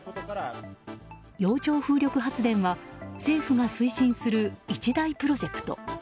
洋上風力発電は政府が推進する一大プロジェクト。